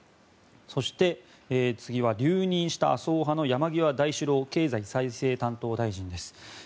そして、次は留任した麻生派の山際大志郎経済再生担当大臣です。